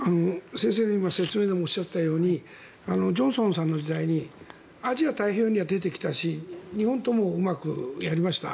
先生が今、説明でおっしゃっていたようにジョンソンさんの時代にはアジア太平洋に出てきたし日本ともうまくやりました。